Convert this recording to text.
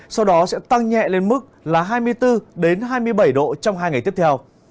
sau đó sẽ tăng nhẹ lên mức là hai mươi bốn hai mươi bảy độ trong hai ngày tiếp theo